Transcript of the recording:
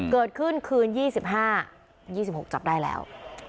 เกิดขึ้นคืน๒๕๒๖จับได้แล้ว